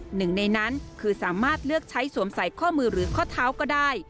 หนึ่งในนั้นคือสามารถเลือกใช้สวมใส่ข้อมือหรือข้อเท้าก็ได้